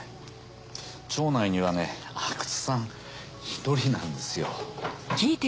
町内にはね阿久津さん１人なんですよ。